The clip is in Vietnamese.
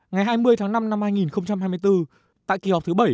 ngày hai mươi tháng năm năm hai nghìn hai mươi bốn tại kỳ họp thứ bảy